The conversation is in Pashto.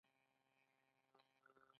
حتی په بهرنیو ژبو کې ساری نلري.